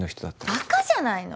ばかじゃないの？